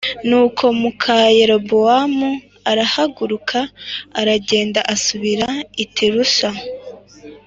Nuko muka Yerobowamu arahaguruka aragenda asubira i Tirusa